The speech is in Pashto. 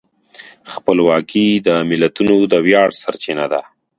خپلواکي د ملتونو د ویاړ سرچینه ده.